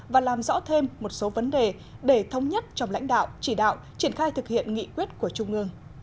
và làm rõ thêm một số vấn đề để thống nhất trong lãnh đạo chỉ đạo triển khai thực hiện nghị quyết của trung ương